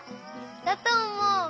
だとおもう。